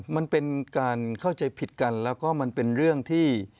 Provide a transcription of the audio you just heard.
มันเป็นการเข้าใจผิดกันแล้วก็มันเป็นเรื่องที่